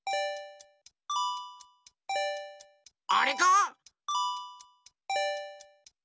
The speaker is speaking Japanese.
あれか？